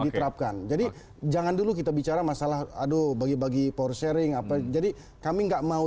diterapkan jadi jangan dulu kita bicara masalah aduh bagi bagi power sharing apa jadi kami enggak mau